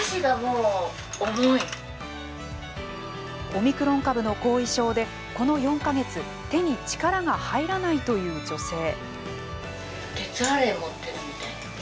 オミクロン株の後遺症でこの４か月手に力が入らないという女性。